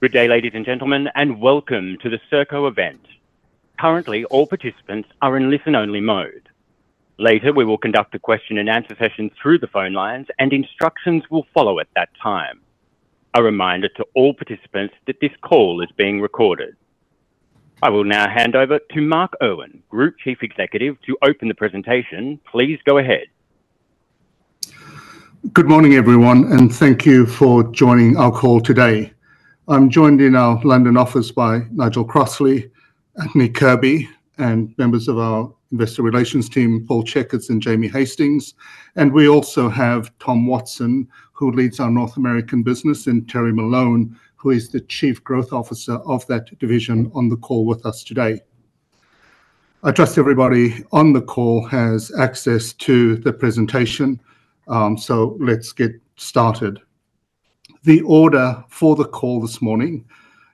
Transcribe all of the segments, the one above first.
Good day, ladies and gentlemen, and welcome to the Serco event. Currently, all participants are in listen-only mode. Later, we will conduct the question-and-answer sessions through the phone lines, and instructions will follow at that time. A reminder to all participants that this call is being recorded. I will now hand over to Mark Irwin, Group Chief Executive, to open the presentation. Please go ahead. Good morning, everyone, and thank you for joining our call today. I'm joined in our London office by Nigel Crossley, Anthony Kirby, and members of our investor relations team, Paul Checketts and Jamie Hastings. We also have Tom Watson, who leads our North American business, and Terri Malone, who is the Chief Growth Officer of that division, on the call with us today. I trust everybody on the call has access to the presentation, so let's get started. The order for the call this morning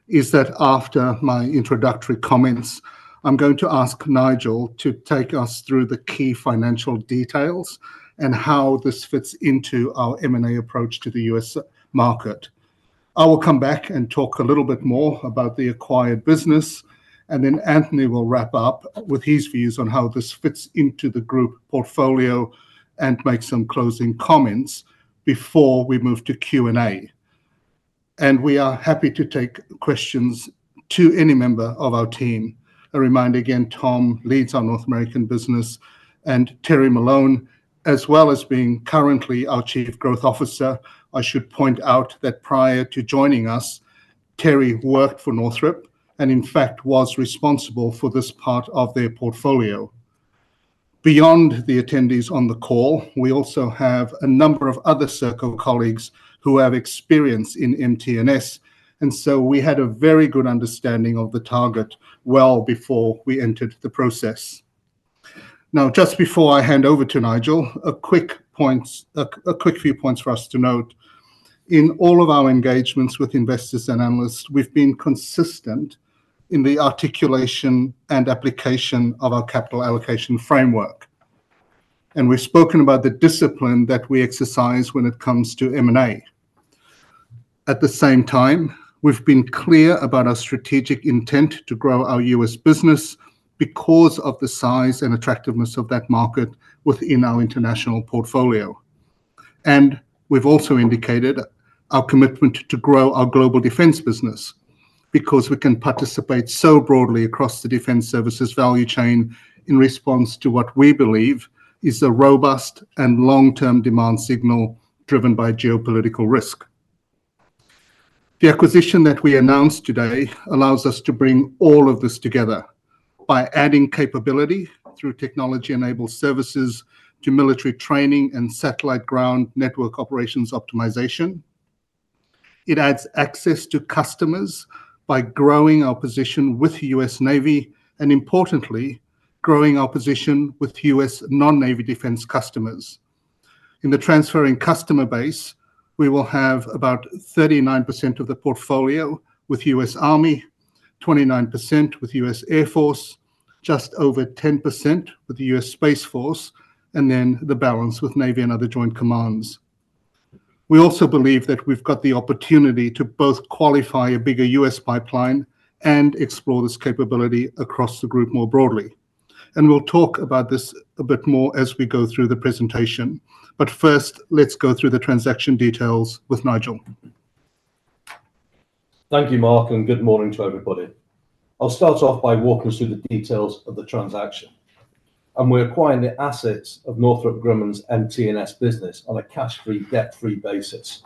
is that after my introductory comments, I'm going to ask Nigel to take us through the key financial details and how this fits into our M&A approach to the US market. I will come back and talk a little bit more about the acquired business, and then Anthony will wrap up with his views on how this fits into the group portfolio and make some closing comments before we move to Q&A, and we are happy to take questions to any member of our team. A reminder again, Tom leads our North American business, and Terri Malone, as well as being currently our Chief Growth Officer, I should point out that prior to joining us, Terri worked for Northrop and, in fact, was responsible for this part of their portfolio. Beyond the attendees on the call, we also have a number of other Serco colleagues who have experience in MTNS, and so we had a very good understanding of the target well before we entered the process. Now, just before I hand over to Nigel, a quick few points for us to note. In all of our engagements with investors and analysts, we've been consistent in the articulation and application of our capital allocation framework, and we've spoken about the discipline that we exercise when it comes to M&A. At the same time, we've been clear about our strategic intent to grow our U.S. business because of the size and attractiveness of that market within our international portfolio. And we've also indicated our commitment to grow our global defense business because we can participate so broadly across the defense services value chain in response to what we believe is a robust and long-term demand signal driven by geopolitical risk. The acquisition that we announced today allows us to bring all of this together by adding capability through technology-enabled services to military training and satellite ground network operations optimization. It adds access to customers by growing our position with the U.S. Navy and, importantly, growing our position with U.S. non-Navy defense customers. In the transferring customer base, we will have about 39% of the portfolio with U.S. Army, 29% with U.S. Air Force, just over 10% with the U.S. Space Force, and then the balance with Navy and other joint commands. We also believe that we've got the opportunity to both qualify a bigger U.S. pipeline and explore this capability across the group more broadly. And we'll talk about this a bit more as we go through the presentation. But first, let's go through the transaction details with Nigel. Thank you, Mark, and good morning to everybody. I'll start off by walking through the details of the transaction. And we're acquiring the assets of Northrop Grumman's MTNS business on a cash-free, debt-free basis.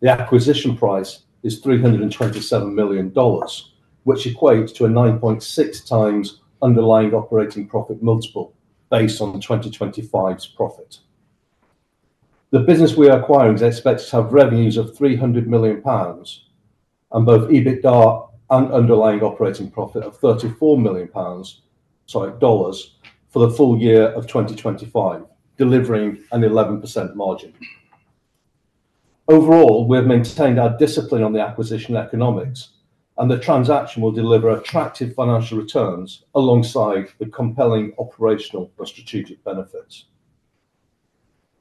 The acquisition price is $327 million, which equates to a 9.6 times underlying operating profit multiple based on 2025's profit. The business we are acquiring is expected to have revenues of 300 million pounds and both EBITDA and underlying operating profit of 34 million pounds for the full year of 2025, delivering an 11% margin. Overall, we have maintained our discipline on the acquisition economics, and the transaction will deliver attractive financial returns alongside the compelling operational and strategic benefits.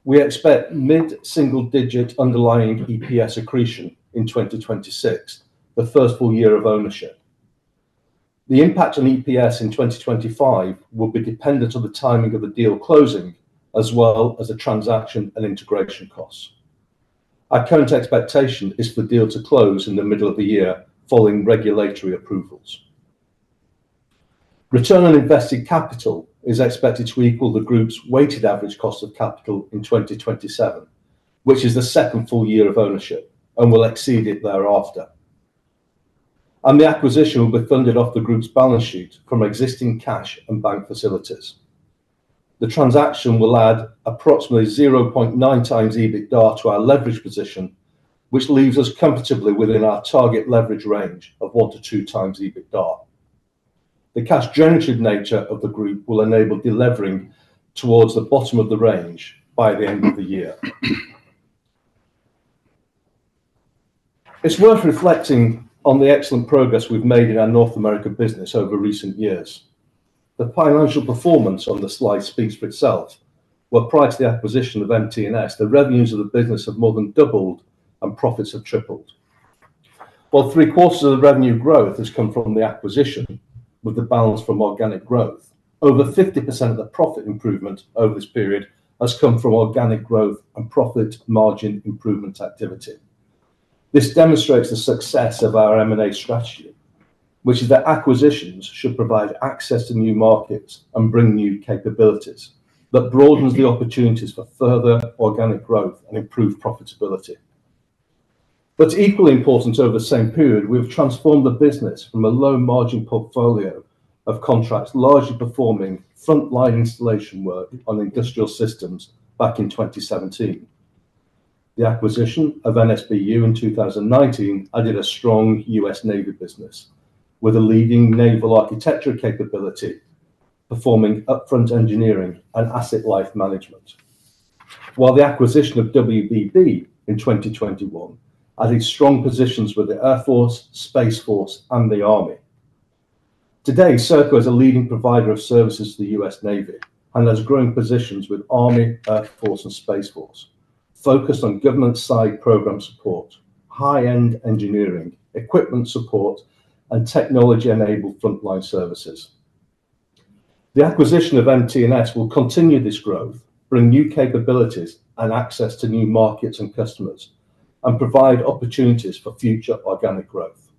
We expect mid-single-digit underlying EPS accretion in 2026, the first full year of ownership. The impact on EPS in 2025 will be dependent on the timing of the deal closing, as well as the transaction and integration costs. Our current expectation is for the deal to close in the middle of the year following regulatory approvals. Return on invested capital is expected to equal the group's weighted average cost of capital in 2027, which is the second full year of ownership and will exceed it thereafter, and the acquisition will be funded off the group's balance sheet from existing cash and bank facilities. The transaction will add approximately 0.9 times EBITDA to our leverage position, which leaves us comfortably within our target leverage range of one to two times EBITDA. The cash-generative nature of the group will enable delivering towards the bottom of the range by the end of the year. It's worth reflecting on the excellent progress we've made in our North America business over recent years. The financial performance on the slide speaks for itself. Where prior to the acquisition of MTNS, the revenues of the business have more than doubled and profits have tripled. While three-quarters of the revenue growth has come from the acquisition, with the balance from organic growth, over 50% of the profit improvement over this period has come from organic growth and profit margin improvement activity. This demonstrates the success of our M&A strategy, which is that acquisitions should provide access to new markets and bring new capabilities that broadens the opportunities for further organic growth and improved profitability. But equally important over the same period, we've transformed the business from a low-margin portfolio of contracts largely performing frontline installation work on industrial systems back in 2017. The acquisition of NSBU in 2019 added a strong US Navy business with a leading naval architecture capability performing upfront engineering and asset life management. While the acquisition of WBB in 2021 added strong positions with the Air Force, Space Force, and the Army. Today, Serco is a leading provider of services to the US Navy and has growing positions with Army, Air Force, and Space Force, focused on government-side program support, high-end engineering, equipment support, and technology-enabled frontline services. The acquisition of MTNS will continue this growth, bring new capabilities and access to new markets and customers, and provide opportunities for future organic growth.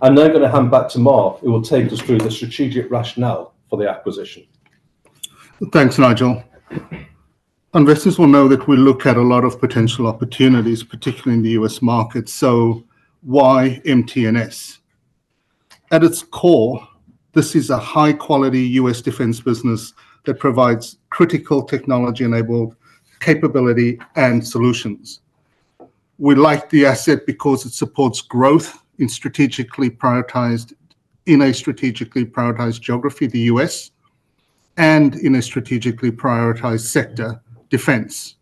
I'm now going to hand back to Mark, who will take us through the strategic rationale for the acquisition. Thanks, Nigel. Investors will know that we look at a lot of potential opportunities, particularly in the U.S. market. So why MTNS? At its core, this is a high-quality U.S. defense business that provides critical technology-enabled capability and solutions. We like the asset because it supports growth in a strategically prioritized geography, the U.S., and in a strategically prioritized sector, defense.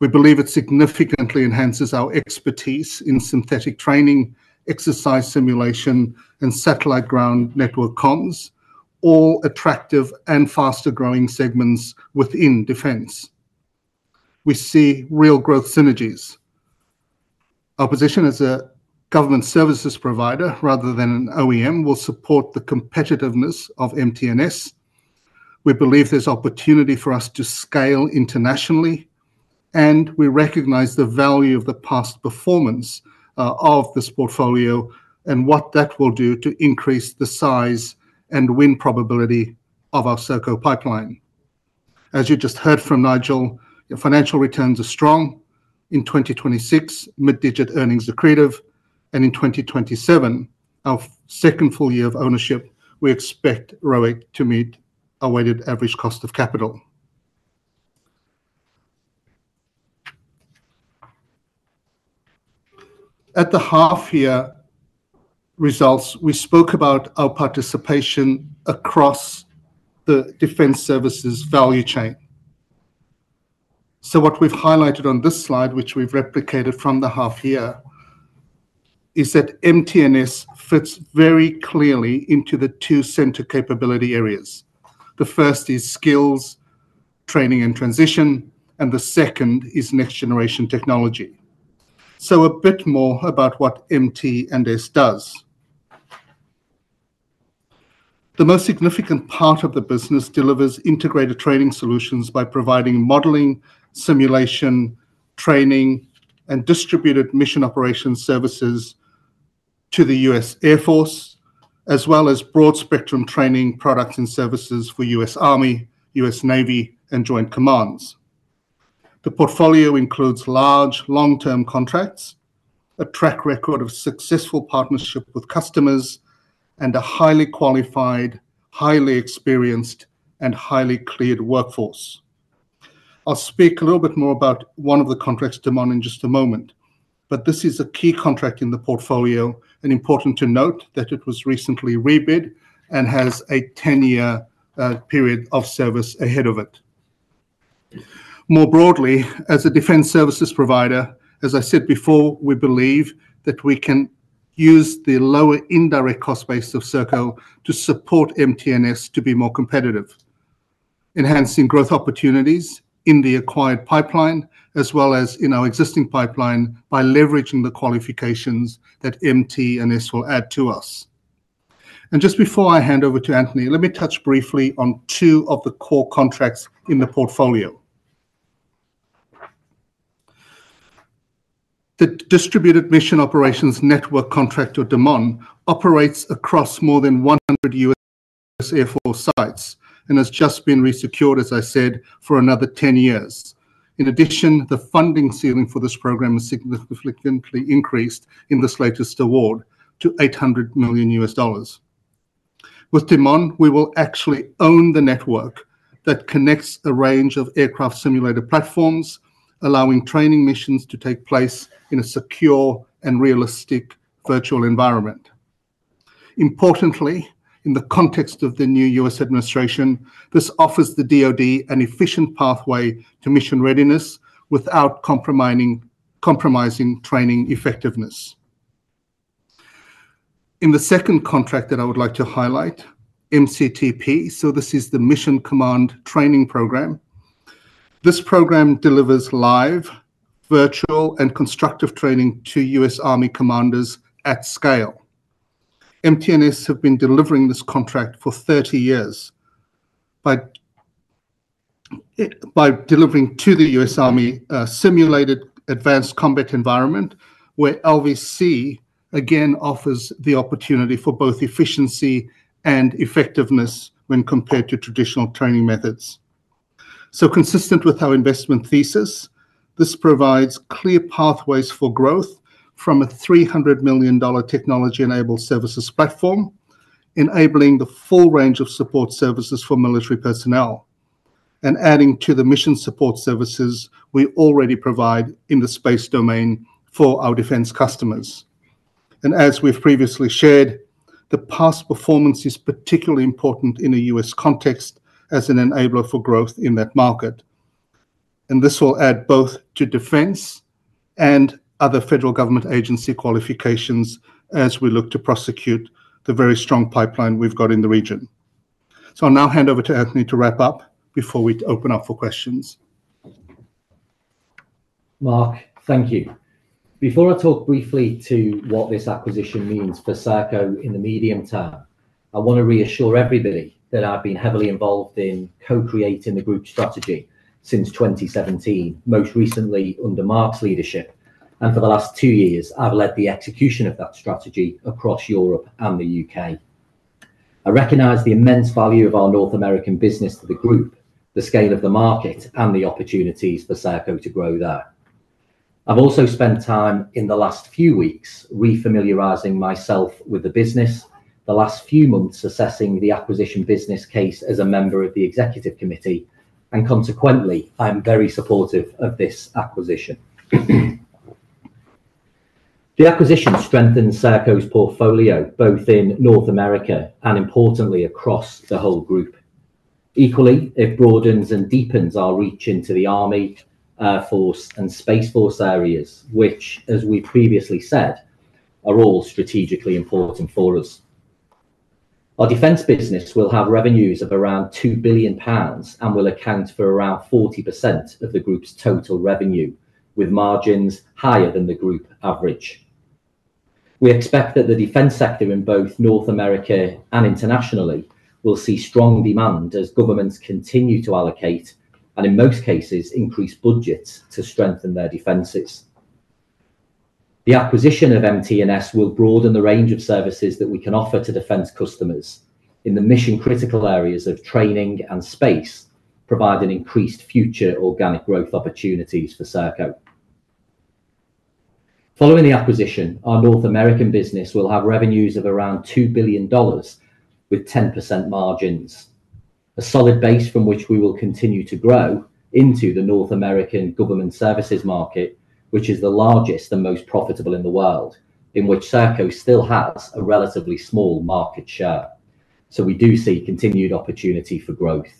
We believe it significantly enhances our expertise in synthetic training, exercise simulation, and satellite ground network comms, all attractive and faster-growing segments within defense. We see real growth synergies. Our position as a government services provider rather than an OEM will support the competitiveness of MTNS. We believe there's opportunity for us to scale internationally, and we recognize the value of the past performance of this portfolio and what that will do to increase the size and win probability of our Serco pipeline. As you just heard from Nigel, your financial returns are strong. In 2026, mid-single-digit earnings are accretive. In 2027, our second full year of ownership, we expect ROIC to meet our weighted average cost of capital. At the half-year results, we spoke about our participation across the defense services value chain. What we've highlighted on this slide, which we've replicated from the half-year, is that MTNS fits very clearly into the two central capability areas. The first is skills, training, and transition, and the second is next-generation technology. A bit more about what MTNS does. The most significant part of the business delivers integrated training solutions by providing modeling, simulation, training, and distributed mission operations services to the U.S. Air Force, as well as broad-spectrum training products and services for U.S. Army, U.S. Navy, and joint commands. The portfolio includes large, long-term contracts, a track record of successful partnership with customers, and a highly qualified, highly experienced, and highly cleared workforce. I'll speak a little bit more about one of the contracts DMON in just a moment, but this is a key contract in the portfolio and important to note that it was recently rebid and has a 10-year period of service ahead of it. More broadly, as a defense services provider, as I said before, we believe that we can use the lower indirect cost base of Serco to support MTNS to be more competitive, enhancing growth opportunities in the acquired pipeline, as well as in our existing pipeline by leveraging the qualifications that MTNS will add to us. And just before I hand over to Anthony, let me touch briefly on two of the core contracts in the portfolio. The Distributed Mission Operations Network contract, or DMON, operates across more than 100 U.S. Air Force sites and has just been resecured, as I said, for another 10 years. In addition, the funding ceiling for this program has significantly increased in this latest award to $800 million. With DMON, we will actually own the network that connects a range of aircraft simulator platforms, allowing training missions to take place in a secure and realistic virtual environment. Importantly, in the context of the new U.S. administration, this offers the DoD an efficient pathway to mission readiness without compromising training effectiveness. In the second contract that I would like to highlight, MCTP, so this is the Mission Command Training Program. This program delivers live, virtual, and constructive training to U.S. Army commanders at scale. MTNS has been delivering this contract for 30 years by delivering to the U.S. Army a simulated advanced combat environment where LVC again offers the opportunity for both efficiency and effectiveness when compared to traditional training methods, so consistent with our investment thesis, this provides clear pathways for growth from a $300 million technology-enabled services platform, enabling the full range of support services for military personnel, and adding to the mission support services we already provide in the space domain for our defense customers, and as we've previously shared, the past performance is particularly important in a U.S. context as an enabler for growth in that market, and this will add both to defense and other federal government agency qualifications as we look to prosecute the very strong pipeline we've got in the region, so I'll now hand over to Anthony to wrap up before we open up for questions. Mark, thank you. Before I talk briefly to what this acquisition means for Serco in the medium term, I want to reassure everybody that I've been heavily involved in co-creating the group strategy since 2017, most recently under Mark's leadership, and for the last two years, I've led the execution of that strategy across Europe and the UK. I recognize the immense value of our North American business to the group, the scale of the market, and the opportunities for Serco to grow there. I've also spent time in the last few weeks refamiliarizing myself with the business, the last few months assessing the acquisition business case as a member of the executive committee, and consequently, I am very supportive of this acquisition. The acquisition strengthens Serco's portfolio both in North America and, importantly, across the whole group. Equally, it broadens and deepens our reach into the Army, Air Force, and Space Force areas, which, as we've previously said, are all strategically important for us. Our defense business will have revenues of around 2 billion pounds and will account for around 40% of the group's total revenue, with margins higher than the group average. We expect that the defense sector in both North America and internationally will see strong demand as governments continue to allocate and, in most cases, increase budgets to strengthen their defenses. The acquisition of MTNS will broaden the range of services that we can offer to defense customers in the mission-critical areas of training and space, providing increased future organic growth opportunities for Serco. Following the acquisition, our North American business will have revenues of around $2 billion with 10% margins, a solid base from which we will continue to grow into the North American government services market, which is the largest and most profitable in the world, in which Serco still has a relatively small market share. So we do see continued opportunity for growth.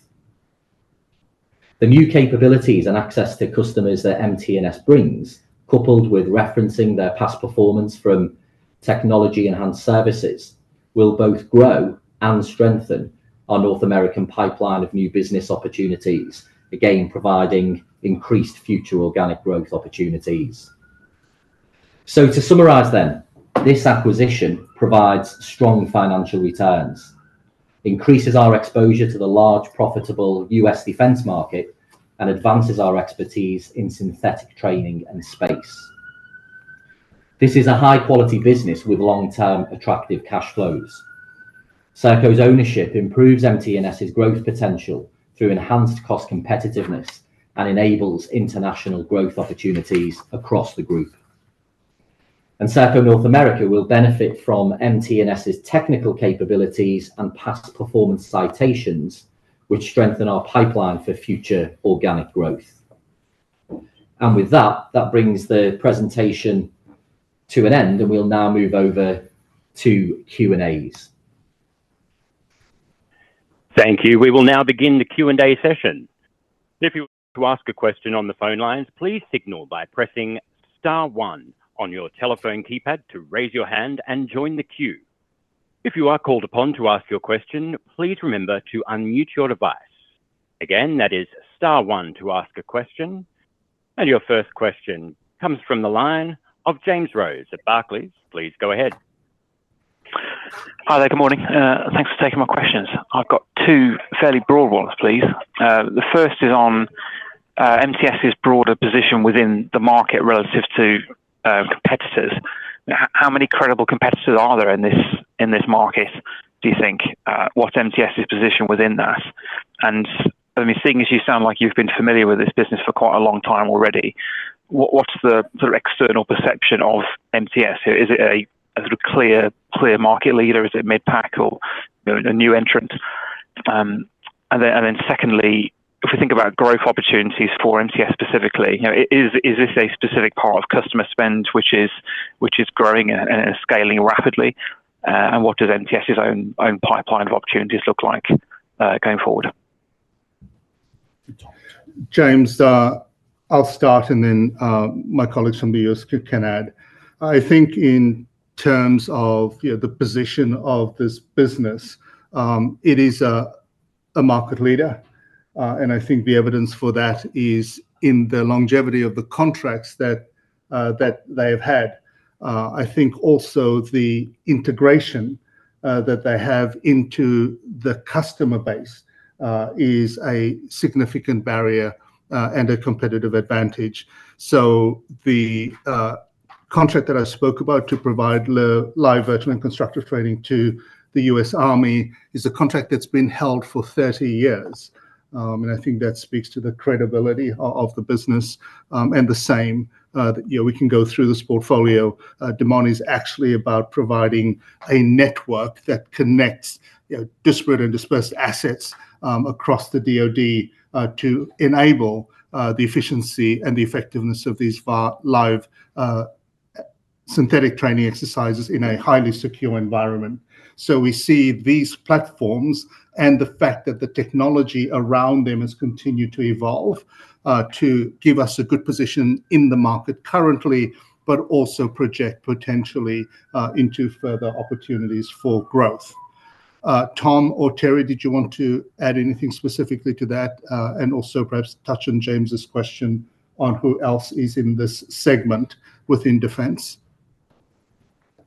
The new capabilities and access to customers that MTNS brings, coupled with referencing their past performance from technology-enhanced services, will both grow and strengthen our North American pipeline of new business opportunities, again providing increased future organic growth opportunities. So to summarize then, this acquisition provides strong financial returns, increases our exposure to the large, profitable U.S. defense market, and advances our expertise in synthetic training and space. This is a high-quality business with long-term attractive cash flows. Serco's ownership improves MTNS's growth potential through enhanced cost competitiveness and enables international growth opportunities across the group. Serco North America will benefit from MTNS's technical capabilities and past performance citations, which strengthen our pipeline for future organic growth. With that, that brings the presentation to an end, and we'll now move over to Q&As. Thank you. We will now begin the Q&A session. If you would like to ask a question on the phone lines, please signal by pressing star one on your telephone keypad to raise your hand and join the queue. If you are called upon to ask your question, please remember to unmute your device. Again, that is star one to ask a question, and your first question comes from the line of James Rose at Barclays. Please go ahead. Hi there. Good morning. Thanks for taking my questions. I've got two fairly broad ones, please. The first is on MT&S's broader position within the market relative to competitors. How many credible competitors are there in this market, do you think? What's MT&S's position within that? And I mean, seeing as you sound like you've been familiar with this business for quite a long time already, what's the sort of external perception of MT&S? Is it a sort of clear market leader? Is it mid-pack or a new entrant? And then secondly, if we think about growth opportunities for MT&S specifically, is this a specific part of customer spend which is growing and scaling rapidly? And what does MT&S's own pipeline of opportunities look like going forward? James, I'll start, and then my colleagues from the U.S. can add. I think in terms of the position of this business, it is a market leader, and I think the evidence for that is in the longevity of the contracts that they have had. I think also the integration that they have into the customer base is a significant barrier and a competitive advantage, so the contract that I spoke about to provide live, virtual, and constructive training to the U.S. Army is a contract that's been held for 30 years, and I think that speaks to the credibility of the business, and the same, we can go through this portfolio. DMON is actually about providing a network that connects disparate and dispersed assets across the DoD to enable the efficiency and the effectiveness of these live synthetic training exercises in a highly secure environment. So we see these platforms and the fact that the technology around them has continued to evolve to give us a good position in the market currently, but also project potentially into further opportunities for growth. Tom or Terri, did you want to add anything specifically to that? And also perhaps touch on James's question on who else is in this segment within defense?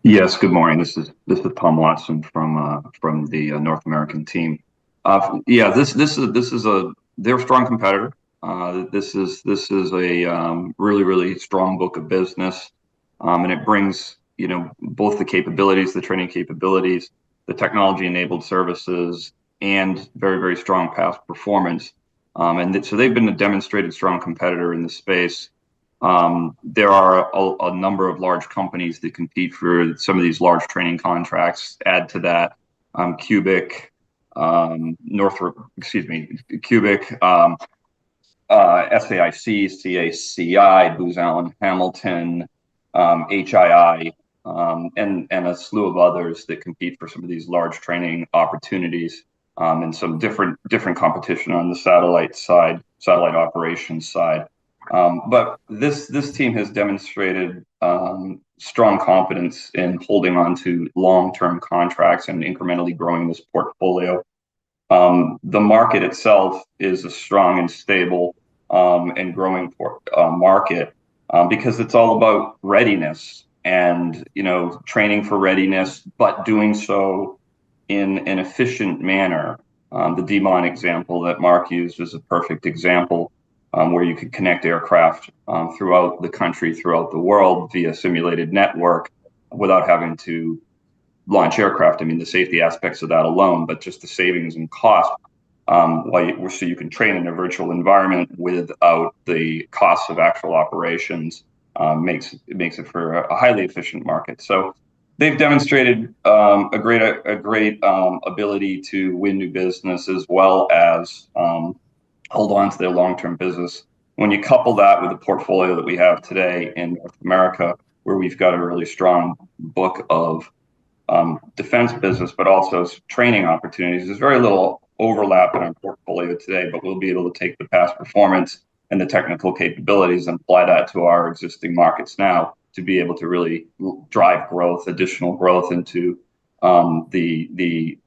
Yes, good morning. This is Tom Watson from the North American team. Yeah, this is a very strong competitor. This is a really, really strong book of business, and it brings both the capabilities, the training capabilities, the technology-enabled services, and very, very strong past performance, and so they've been a demonstrated strong competitor in the space. There are a number of large companies that compete for some of these large training contracts. Add to that, Cubic, excuse me, Cubic, SAIC, CACI, Booz Allen Hamilton, HII, and a slew of others that compete for some of these large training opportunities and some different competition on the satellite side, satellite operations side, but this team has demonstrated strong confidence in holding on to long-term contracts and incrementally growing this portfolio. The market itself is a strong and stable and growing market because it's all about readiness and training for readiness, but doing so in an efficient manner. The DMON example that Mark used is a perfect example where you could connect aircraft throughout the country, throughout the world via simulated network without having to launch aircraft. I mean, the safety aspects of that alone, but just the savings and cost, so you can train in a virtual environment without the costs of actual operations, makes it for a highly efficient market. So they've demonstrated a great ability to win new business as well as hold on to their long-term business. When you couple that with the portfolio that we have today in North America, where we've got a really strong book of defense business, but also training opportunities, there's very little overlap in our portfolio today, but we'll be able to take the past performance and the technical capabilities and apply that to our existing markets now to be able to really drive growth, additional growth into the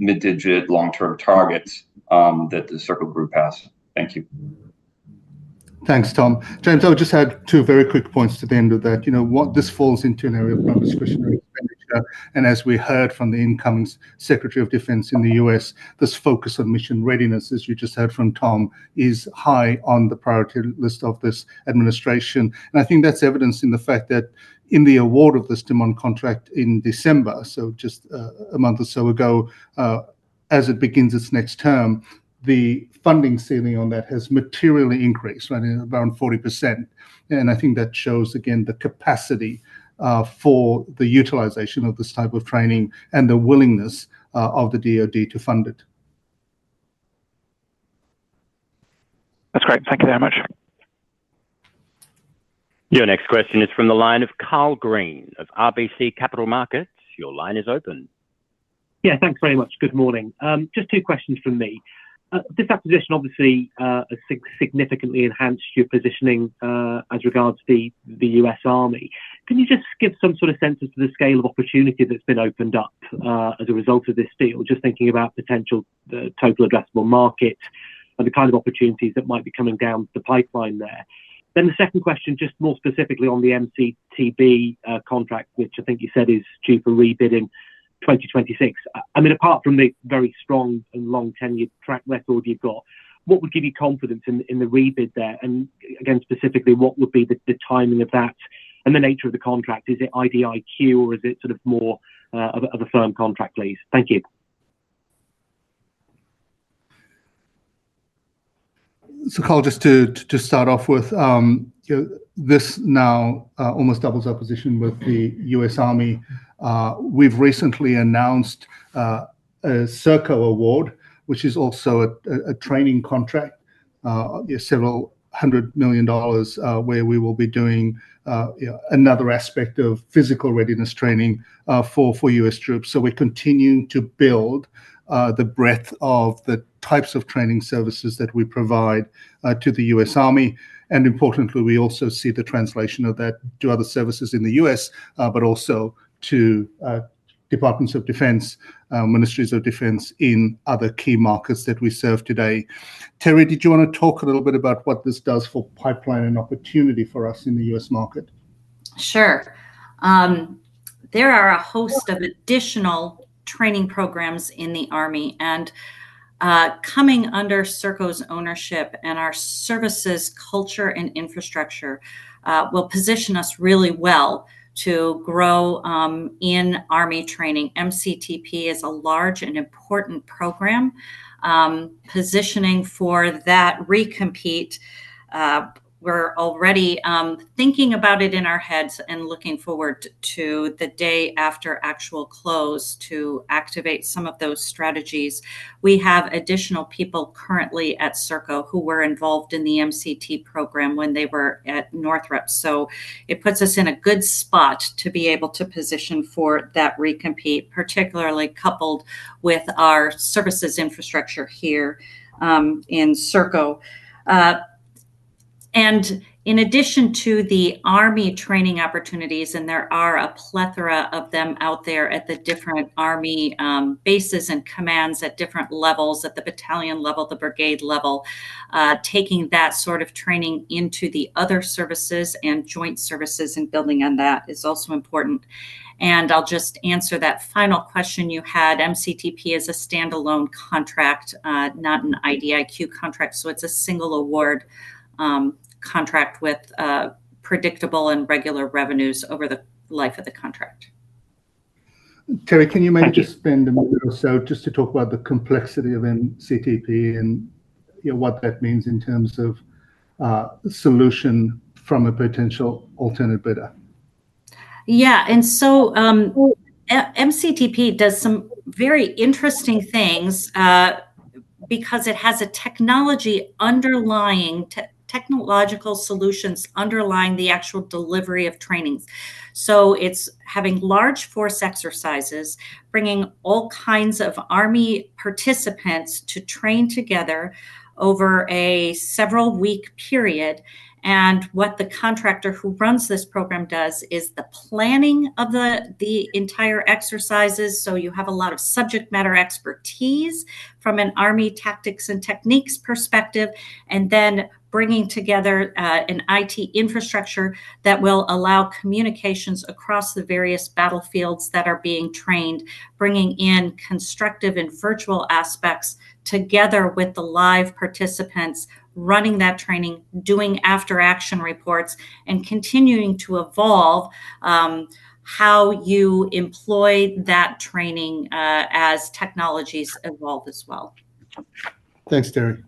mid-digit long-term targets that the Serco Group has. Thank you. Thanks, Tom. James, I would just add two very quick points to the end of that. This falls into an area of my discretionary expenditure, and as we heard from the incoming Secretary of Defense in the U.S., this focus on mission readiness, as you just heard from Tom, is high on the priority list of this administration, and I think that's evidenced in the fact that in the award of this DMON contract in December, so just a month or so ago, as it begins its next term, the funding ceiling on that has materially increased, running around 40%, and I think that shows, again, the capacity for the utilization of this type of training and the willingness of the DoD to fund it. That's great. Thank you very much. Your next question is from the line of Karl Green of RBC Capital Markets. Your line is open. Yeah, thanks very much. Good morning. Just two questions from me. This acquisition obviously has significantly enhanced your positioning as regards to the U.S. Army. Can you just give some sort of sense as to the scale of opportunity that's been opened up as a result of this deal, just thinking about potential total addressable market and the kind of opportunities that might be coming down the pipeline there? Then the second question, just more specifically on the MCTP contract, which I think you said is due for rebid in 2026. I mean, apart from the very strong and long tenure track record you've got, what would give you confidence in the rebid there? And again, specifically, what would be the timing of that and the nature of the contract? Is it IDIQ, or is it sort of more of a firm contract, please? Thank you. So, Carl, just to start off with, this now almost doubles our position with the U.S. Army. We've recently announced a Serco award, which is also a training contract, several hundred million dollars, where we will be doing another aspect of physical readiness training for U.S. troops. So we're continuing to build the breadth of the types of training services that we provide to the U.S. Army. And importantly, we also see the translation of that to other services in the U.S., but also to departments of defense, ministries of defense in other key markets that we serve today. Terri, did you want to talk a little bit about what this does for pipeline and opportunity for us in the U.S. market? Sure. There are a host of additional training programs in the Army, and coming under Serco's ownership and our services culture and infrastructure will position us really well to grow in Army training. MCTP is a large and important program. Positioning for that recompete, we're already thinking about it in our heads and looking forward to the day after actual close to activate some of those strategies. We have additional people currently at Serco who were involved in the MCTP program when they were at Northrop, so it puts us in a good spot to be able to position for that recompete, particularly coupled with our services infrastructure here in Serco. And in addition to the Army training opportunities, and there are a plethora of them out there at the different Army bases and commands at different levels, at the battalion level, the brigade level, taking that sort of training into the other services and joint services and building on that is also important. And I'll just answer that final question you had. MCTP is a standalone contract, not an IDIQ contract. So it's a single award contract with predictable and regular revenues over the life of the contract. Terri, can you maybe spend a minute or so just to talk about the complexity of MCTP and what that means in terms of solution from a potential alternate bidder? Yeah. And so MCTP does some very interesting things because it has a technology underlying technological solutions underlying the actual delivery of trainings. So it's having large force exercises, bringing all kinds of Army participants to train together over a several-week period. And what the contractor who runs this program does is the planning of the entire exercises. So you have a lot of subject matter expertise from an Army tactics and techniques perspective, and then bringing together an IT infrastructure that will allow communications across the various battlefields that are being trained, bringing in constructive and virtual aspects together with the live participants running that training, doing after-action reports, and continuing to evolve how you employ that training as technologies evolve as well. Thanks, Terry.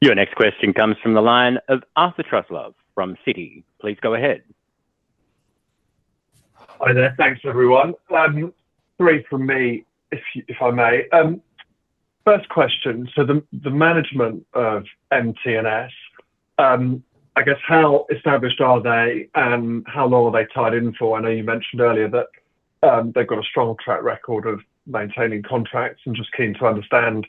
Your next question comes from the line of Arthur Truslove from Citi. Please go ahead. Hi there. Thanks, everyone. Three from me, if I may. First question. So the management of MTNS, I guess, how established are they and how long are they tied in for? I know you mentioned earlier that they've got a strong track record of maintaining contracts and just keen to understand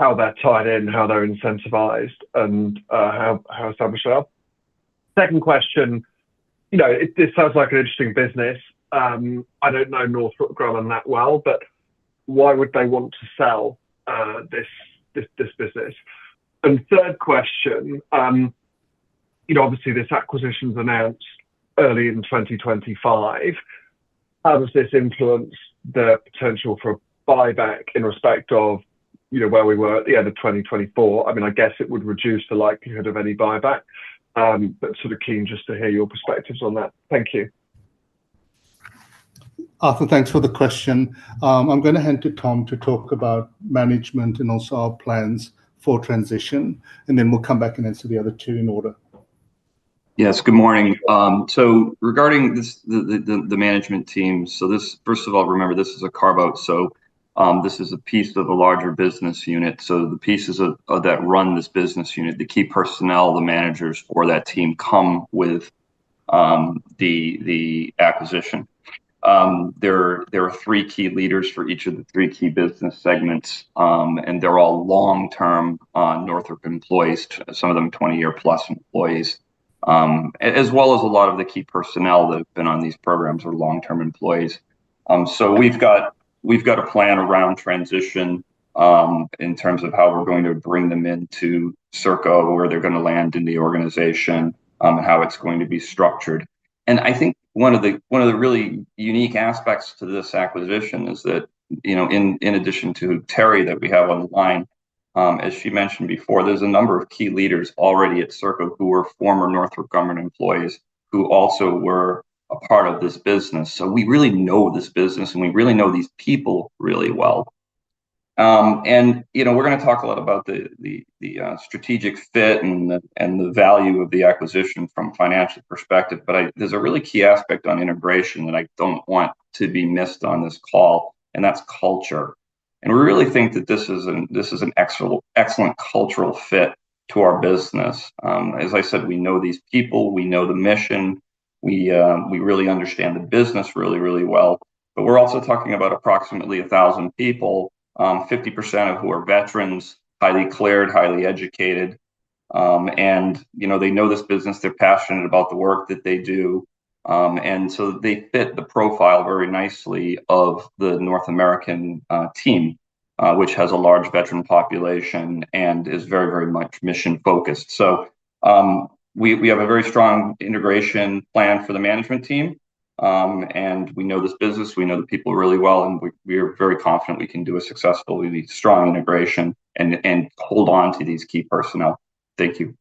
how they're tied in, how they're incentivized, and how established they are. Second question, it sounds like an interesting business. I don't know Northrop Grumman that well, but why would they want to sell this business? And third question, obviously, this acquisition's announced early in 2025. How does this influence the potential for buyback in respect of where we were at the end of 2024? I mean, I guess it would reduce the likelihood of any buyback, but sort of keen just to hear your perspectives on that. Thank you. Arthur, thanks for the question. I'm going to hand to Tom to talk about management and also our plans for transition, and then we'll come back and answer the other two in order. Yes, good morning. So regarding the management team, so this, first of all, remember, this is a carve-out. So this is a piece of a larger business unit. So the pieces that run this business unit, the key personnel, the managers for that team come with the acquisition. There are three key leaders for each of the three key business segments, and they're all long-term Northrop employees, some of them 20-year-plus employees, as well as a lot of the key personnel that have been on these programs are long-term employees. So we've got a plan around transition in terms of how we're going to bring them into Serco, where they're going to land in the organization, how it's going to be structured. I think one of the really unique aspects to this acquisition is that, in addition to Terri that we have on the line, as she mentioned before, there's a number of key leaders already at Serco who were former Northrop Grumman employees who also were a part of this business. So we really know this business, and we really know these people really well. We're going to talk a lot about the strategic fit and the value of the acquisition from a financial perspective, but there's a really key aspect on integration that I don't want to be missed on this call, and that's culture. We really think that this is an excellent cultural fit to our business. As I said, we know these people, we know the mission, we really understand the business really, really well. But we're also talking about approximately 1,000 people, 50% of who are veterans, highly cleared, highly educated, and they know this business, they're passionate about the work that they do. And so they fit the profile very nicely of the North American team, which has a large veteran population and is very, very much mission-focused. So we have a very strong integration plan for the management team, and we know this business, we know the people really well, and we are very confident we can do a successfully strong integration and hold on to these key personnel. Thank you.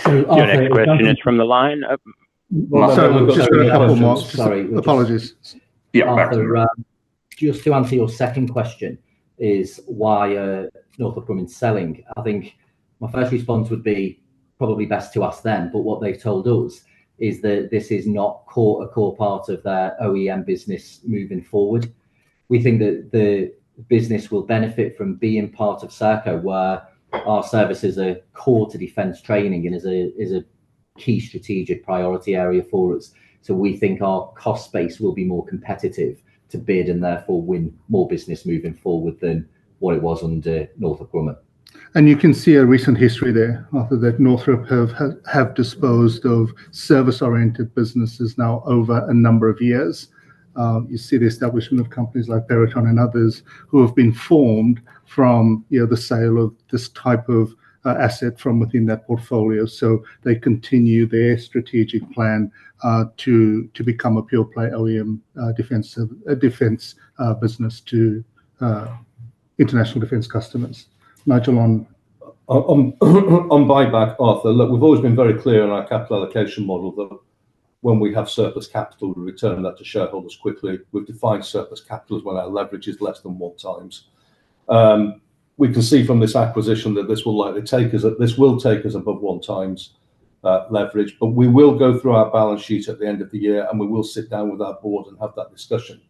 So our next question is from the line. Sorry, just a couple more. Sorry. Apologies. Yeah, back to you. Just to answer your second question: why Northrop Grumman's selling. I think my first response would be probably best to us then, but what they've told us is that this is not a core part of their OEM business moving forward. We think that the business will benefit from being part of Serco, where our service is a core to defense training and is a key strategic priority area for us. So we think our cost base will be more competitive to bid and therefore win more business moving forward than what it was under Northrop Grumman. And you can see a recent history there of that Northrop have disposed of service-oriented businesses now over a number of years. You see the establishment of companies like Peraton and others who have been formed from the sale of this type of asset from within that portfolio. So they continue their strategic plan to become a pure-play OEM defense business to international defense customers. Nigel on. On buyback, Arthur, look, we've always been very clear in our capital allocation model that when we have surplus capital, we return that to shareholders quickly. We've defined surplus capital as when our leverage is less than one times. We can see from this acquisition that this will likely take us above one times leverage, but we will go through our balance sheet at the end of the year, and we will sit down with our board and have that discussion,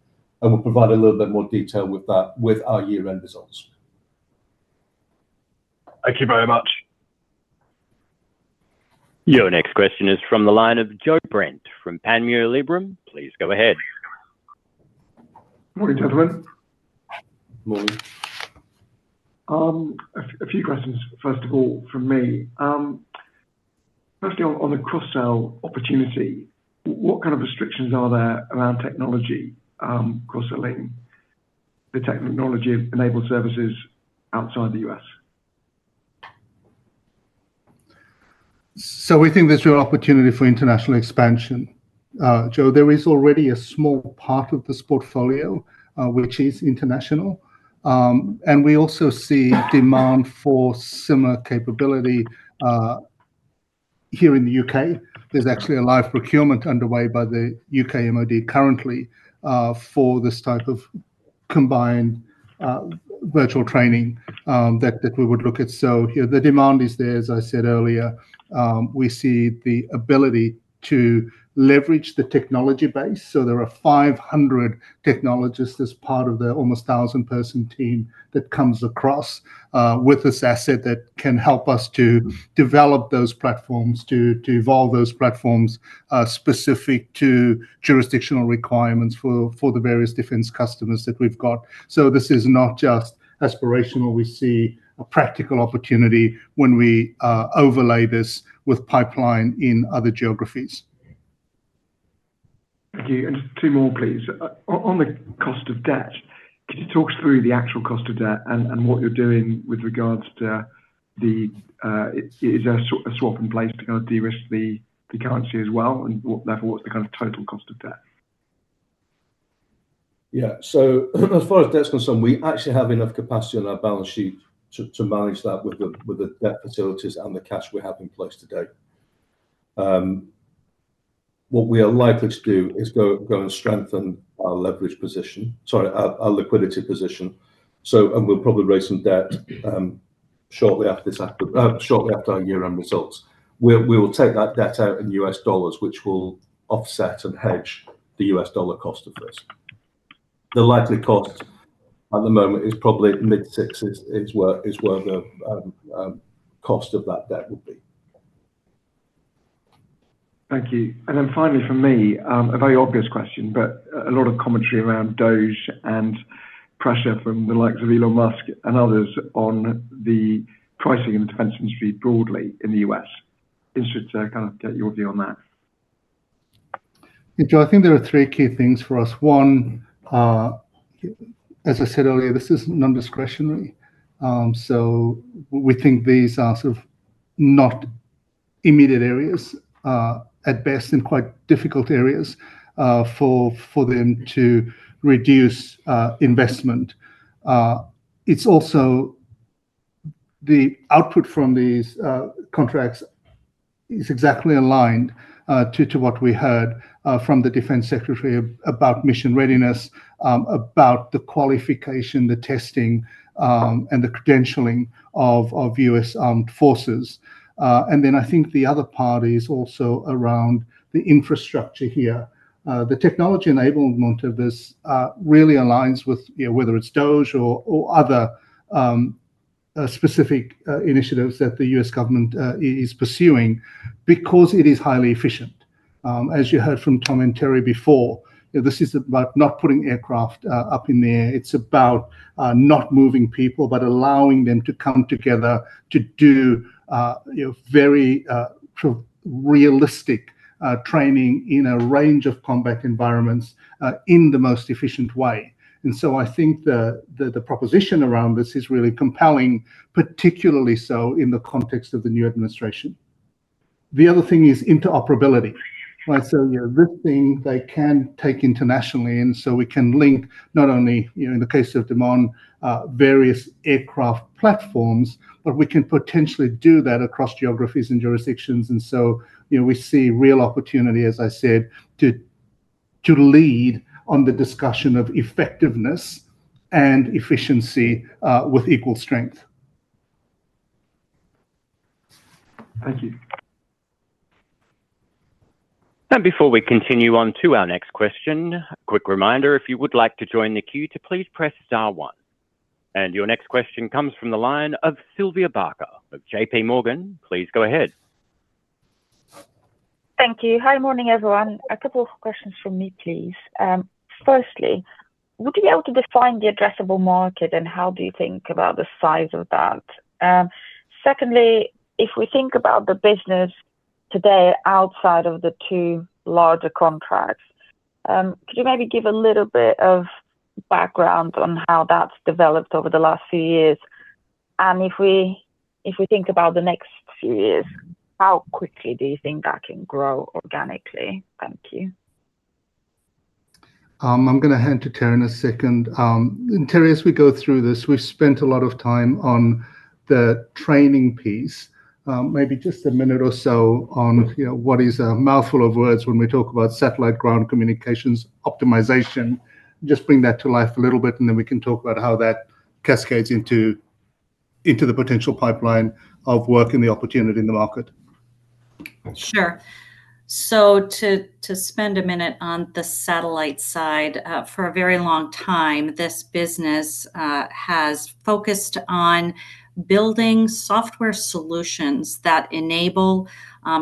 and we'll provide a little bit more detail with our year-end results. Thank you very much. Your next question is from the line of Joe Brent from Panmure Liberum. Please go ahead. Good morning, gentlemen. Good morning. A few questions, first of all, from me. Firstly, on the cross-sale opportunity, what kind of restrictions are there around technology cross-selling, the technology-enabled services outside the U.S.? So we think there's real opportunity for international expansion. Joe, there is already a small part of this portfolio which is international. And we also see demand for similar capability here in the U.K. There's actually a live procurement underway by the U.K. MoD currently for this type of combined virtual training that we would look at. So the demand is there, as I said earlier. We see the ability to leverage the technology base. So there are 500 technologists as part of the almost 1,000-person team that comes across with this asset that can help us to develop those platforms, to evolve those platforms specific to jurisdictional requirements for the various defense customers that we've got. So this is not just aspirational. We see a practical opportunity when we overlay this with pipeline in other geographies. Thank you, and just two more, please. On the cost of debt, could you talk us through the actual cost of debt and what you're doing with regards to, is there a swap in place to kind of de-risk the currency as well, and therefore, what's the kind of total cost of debt? Yeah, so as far as debt's concerned, we actually have enough capacity on our balance sheet to manage that with the debt facilities and the cash we have in place today. What we are likely to do is go and strengthen our leverage position, sorry, our liquidity position, and we'll probably raise some debt shortly after our year-end results. We will take that debt out in U.S. dollars, which will offset and hedge the U.S. dollar cost of this. The likely cost at the moment is probably mid-six is where the cost of that debt would be. Thank you, and then finally for me, a very obvious question, but a lot of commentary around DOGE and pressure from the likes of Elon Musk and others on the pricing in the defense industry broadly in the U.S. Interested to kind of get your view on that? Joe, I think there are three key things for us. One, as I said earlier, this isn't non-discretionary. So we think these are sort of not immediate areas at best and quite difficult areas for them to reduce investment. It's also the output from these contracts is exactly aligned to what we heard from the Defense Secretary about mission readiness, about the qualification, the testing, and the credentialing of U.S. armed forces, and then I think the other part is also around the infrastructure here. The technology enablement of this really aligns with whether it's DOGE or other specific initiatives that the U.S. government is pursuing because it is highly efficient. As you heard from Tom and Terri before, this is about not putting aircraft up in the air. It's about not moving people, but allowing them to come together to do very realistic training in a range of combat environments in the most efficient way. And so I think the proposition around this is really compelling, particularly so in the context of the new administration. The other thing is interoperability. So this thing they can take internationally. And so we can link not only, in the case of DMON, various aircraft platforms, but we can potentially do that across geographies and jurisdictions. And so we see real opportunity, as I said, to lead on the discussion of effectiveness and efficiency with equal strength. Thank you. Before we continue on to our next question, a quick reminder. If you would like to join the queue, please press star one. Your next question comes from the line of Sylvia Barker of J.P. Morgan. Please go ahead. Thank you. Hi, morning, everyone. A couple of questions from me, please. Firstly, would you be able to define the addressable market, and how do you think about the size of that? Secondly, if we think about the business today outside of the two larger contracts, could you maybe give a little bit of background on how that's developed over the last few years? And if we think about the next few years, how quickly do you think that can grow organically? Thank you. I'm going to hand to Terri in a second. Terri, as we go through this, we've spent a lot of time on the training piece, maybe just a minute or so on what is a mouthful of words when we talk about satellite ground communications optimization. Just bring that to life a little bit, and then we can talk about how that cascades into the potential pipeline of work and the opportunity in the market. Sure. So to spend a minute on the satellite side, for a very long time, this business has focused on building software solutions that enable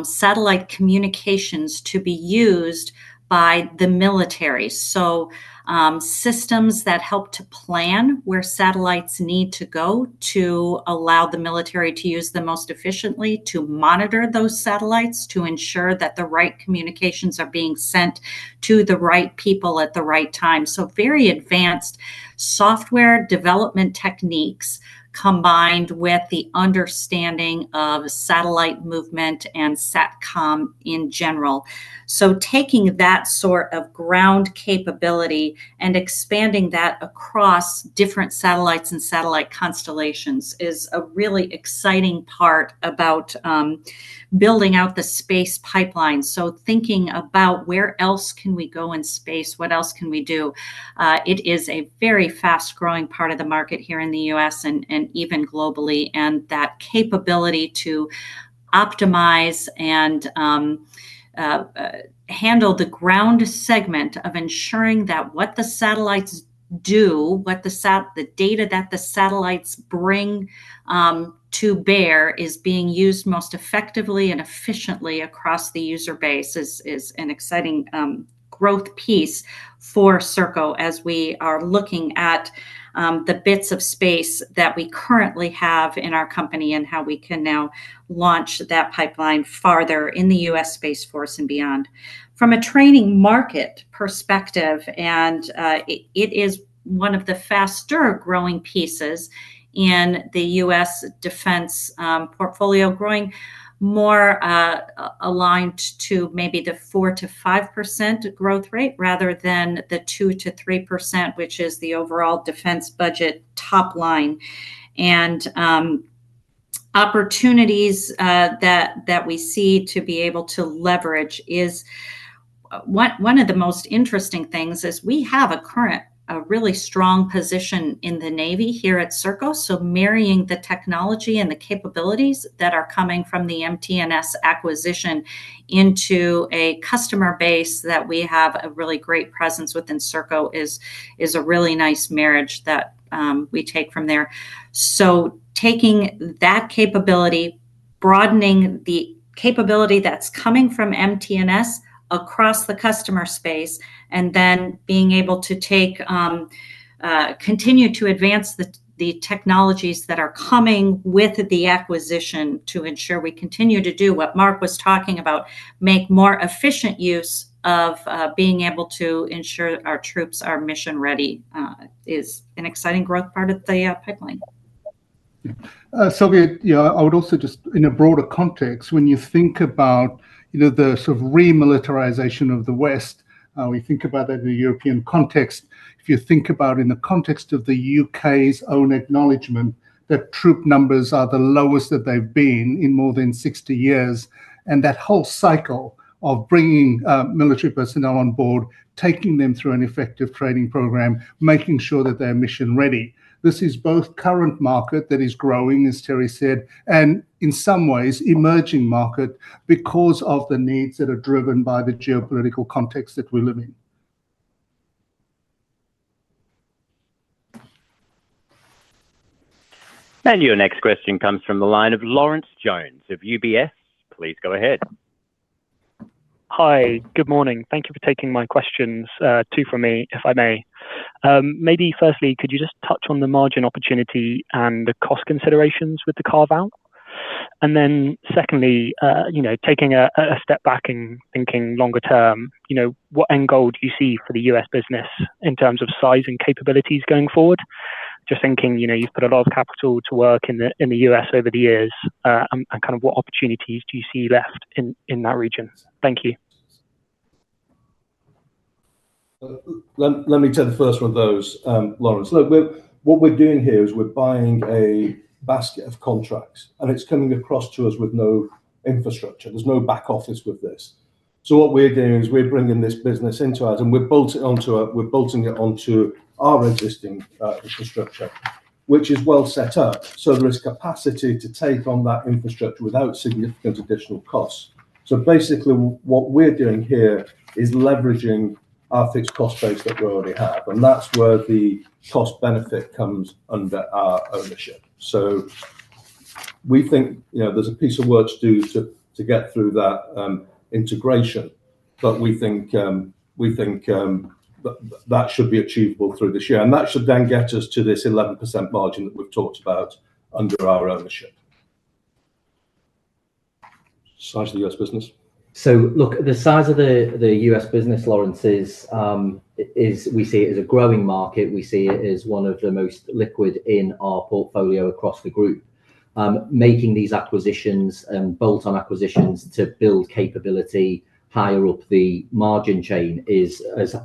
satellite communications to be used by the military. So systems that help to plan where satellites need to go to allow the military to use them most efficiently, to monitor those satellites, to ensure that the right communications are being sent to the right people at the right time. So very advanced software development techniques combined with the understanding of satellite movement and Satcom in general. So taking that sort of ground capability and expanding that across different satellites and satellite constellations is a really exciting part about building out the space pipeline. So thinking about where else can we go in space, what else can we do? It is a very fast-growing part of the market here in the U.S. and even globally. And that capability to optimize and handle the ground segment of ensuring that what the satellites do, the data that the satellites bring to bear is being used most effectively and efficiently across the user base is an exciting growth piece for Serco as we are looking at the bits of space that we currently have in our company and how we can now launch that pipeline farther in the U.S. Space Force and beyond. From a training market perspective, and it is one of the faster-growing pieces in the U.S. defense portfolio, growing more aligned to maybe the 4%-5% growth rate rather than the 2%-3%, which is the overall defense budget top line. Opportunities that we see to be able to leverage is one of the most interesting things. We have a really strong position in the Navy here at Serco. So marrying the technology and the capabilities that are coming from the MTNS acquisition into a customer base that we have a really great presence within Serco is a really nice marriage that we take from there. So taking that capability, broadening the capability that's coming from MTNS across the customer space, and then being able to continue to advance the technologies that are coming with the acquisition to ensure we continue to do what Mark was talking about, make more efficient use of being able to ensure our troops are mission ready is an exciting growth part of the pipeline. Sylvia, I would also just, in a broader context, when you think about the sort of remilitarization of the West, we think about that in the European context. If you think about in the context of the U.K.'s own acknowledgement that troop numbers are the lowest that they've been in more than 60 years, and that whole cycle of bringing military personnel on board, taking them through an effective training program, making sure that they're mission ready. This is both current market that is growing, as Terry said, and in some ways emerging market because of the needs that are driven by the geopolitical context that we live in. Your next question comes from the line of Lawrence Jones of UBS. Please go ahead. Hi, good morning. Thank you for taking my questions, two from me, if I may. Maybe firstly, could you just touch on the margin opportunity and the cost considerations with the carve-out? And then secondly, taking a step back and thinking longer term, what end goal do you see for the U.S. business in terms of size and capabilities going forward? Just thinking you've put a lot of capital to work in the U.S. over the years, and kind of what opportunities do you see left in that region? Thank you. Let me take the first one of those, Lawrence. Look, what we're doing here is we're buying a basket of contracts, and it's coming across to us with no infrastructure. There's no back office with this. So what we're doing is we're bringing this business into ours, and we're bolting it onto our existing infrastructure, which is well set up. So there is capacity to take on that infrastructure without significant additional costs. So basically, what we're doing here is leveraging our fixed cost base that we already have. And that's where the cost benefit comes under our ownership. So we think there's a piece of work to do to get through that integration, but we think that should be achievable through this year. And that should then get us to this 11% margin that we've talked about under our ownership. Size of the U.S. business? So look, the size of the U.S. business, Lawrence, is we see it as a growing market. We see it as one of the most liquid in our portfolio across the group. Making these acquisitions and bolt-on acquisitions to build capability higher up the margin chain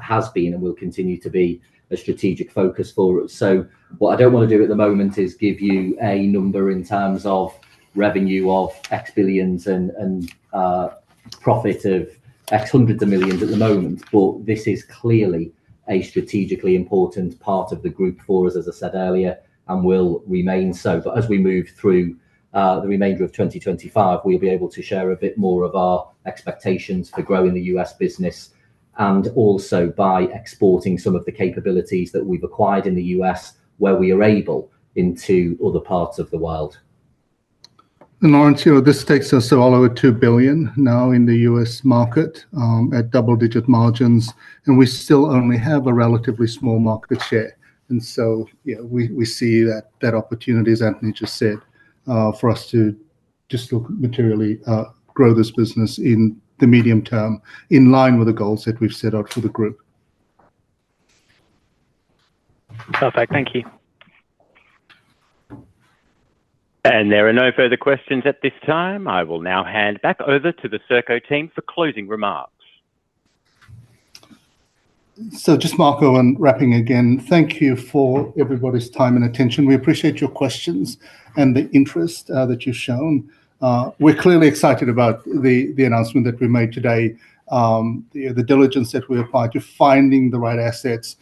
has been and will continue to be a strategic focus for us. So what I don't want to do at the moment is give you a number in terms of revenue of X billions and profit of X hundreds of millions at the moment. But this is clearly a strategically important part of the group for us, as I said earlier, and will remain so. But as we move through the remainder of 2025, we'll be able to share a bit more of our expectations for growing the U.S. business and also by exporting some of the capabilities that we've acquired in the U.S. where we are able into other parts of the world. And Lawrence, this takes us all over $2 billion now in the U.S. market at double-digit margins, and we still only have a relatively small market share. And so we see that opportunity, as Anthony just said, for us to just materially grow this business in the medium term in line with the goals that we've set out for the group. Perfect. Thank you. And there are no further questions at this time. I will now hand back over to the Serco team for closing remarks. So, just to wrap up again, thank you for everybody's time and attention. We appreciate your questions and the interest that you've shown. We're clearly excited about the announcement that we made today, the diligence that we applied to finding the right assets.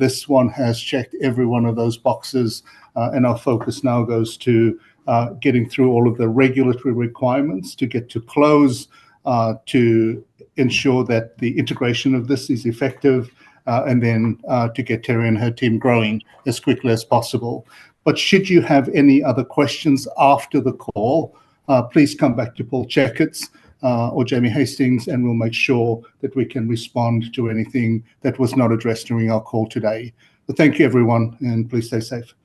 This one has checked every one of those boxes, and our focus now goes to getting through all of the regulatory requirements to get to close, to ensure that the integration of this is effective, and then to get Terri and her team growing as quickly as possible. But should you have any other questions after the call, please come back to Paul Checketts or Jamie Hastings, and we'll make sure that we can respond to anything that was not addressed during our call today. But thank you, everyone, and please stay safe.